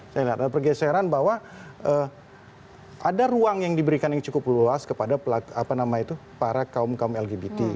saya lihat ada pergeseran bahwa ada ruang yang diberikan yang cukup luas kepada para kaum kaum lgbt